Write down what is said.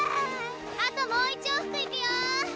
あともう一往復いくよ！